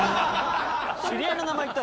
知り合いの名前言った？